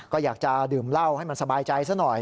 ก็อยากจะดื่มเหล้าให้มันสบายใจซะหน่อย